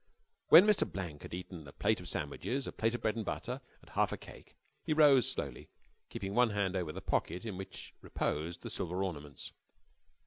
When Mr. Blank had eaten a plate of sandwiches, a plate of bread and butter, and half a cake, he rose slowly, keeping one hand over the pocket in which reposed the silver ornaments.